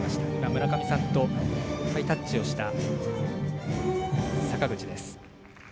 村上さんとハイタッチをした坂口です。